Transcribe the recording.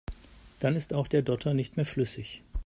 Dann ist auch der Dotter nicht mehr flüssig.